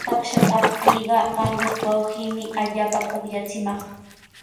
Taksha kaptiiqa Carlos wawqiimi allaapa pukllachimaq.